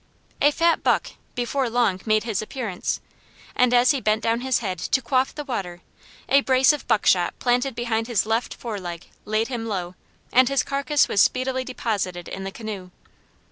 A fat buck before long made his appearance, and as he bent down his head to quaff the water, a brace of buck shot planted behind his left foreleg laid him low, and his carcase was speedily deposited in the canoe.